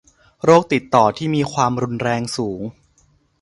โรคติดต่อที่มีความรุนแรงสูง